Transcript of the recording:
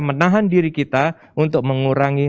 menahan diri kita untuk mengurangi